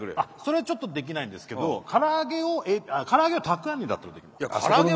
あそれはちょっとできないんですけどから揚げをえあっから揚げをたくあんにだったら。